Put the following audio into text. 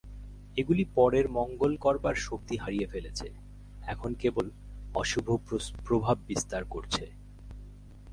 এগুলি পরের মঙ্গল করবার শক্তি হারিয়ে ফেলেছে, এখন কেবল অশুভ প্রভাব বিস্তার করছে।